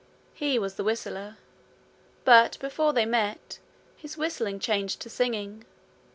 He was the whistler; but before they met his whistling changed to singing.